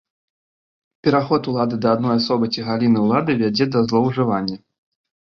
Пераход улады да адной асобы ці галіны ўлады вядзе да злоўжыванняў.